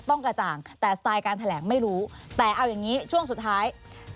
กระจ่างแต่สไตล์การแถลงไม่รู้แต่เอาอย่างนี้ช่วงสุดท้าย